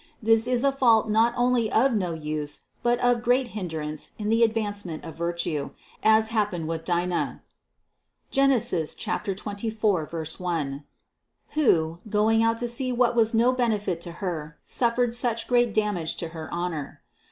This is a fault not only of no use, but of great hindrance in the advancement of virtue, as hap pened with Dina (Gen. 24, 1), who, going out to see what was no benefit to her, suffered such great damage to her honor.